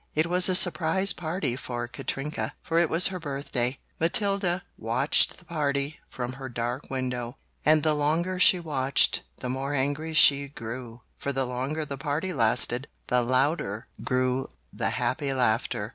It was a surprise party for Katrinka, for it was her birthday. Matilda watched the party from her dark window and the longer she watched, the more angry she grew, for the longer the party lasted, the louder grew the happy laughter.